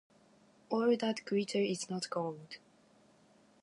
“All that glitters is not gold.”